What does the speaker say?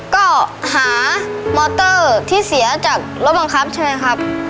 ก็หามอเตอร์ที่เสียจากรถบังคับใช่ไหมครับ